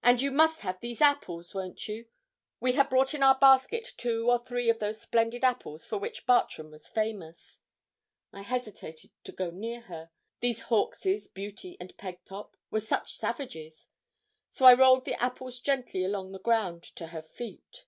'And you must have these apples won't you?' We had brought in our basket two or three of those splendid apples for which Bartram was famous. I hesitated to go near her, these Hawkeses, Beauty and Pegtop, were such savages. So I rolled the apples gently along the ground to her feet.